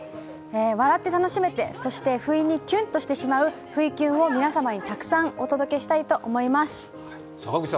笑って楽しめて、そして不意にキュンとしてしまうふいきゅんを皆様にたくさんお届けしたいと思います。